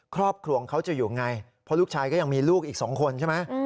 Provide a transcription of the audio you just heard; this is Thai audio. ครอบครัวเขาจะอยู่ไงเพราะลูกชายก็ยังมีลูกอีก๒คนใช่ไหม